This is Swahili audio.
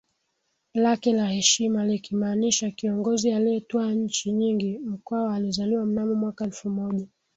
lake la heshima likimaanisha kiongozi aliyetwaa nchi nyingiMkwawa alizaliwa mnamo mwaka elfu moja